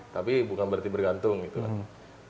tapi bukan berarti bergantung gitu kan